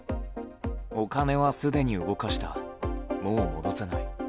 お金はすでに動かしたもう戻さない。